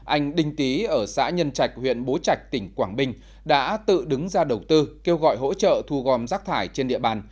anh đinh tý ở xã nhân trạch huyện bố trạch tỉnh quảng bình đã tự đứng ra đầu tư kêu gọi hỗ trợ thu gom rác thải trên địa bàn